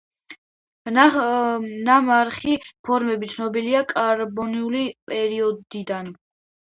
ნამარხი ფორმები ცნობილია კარბონული პერიოდიდან.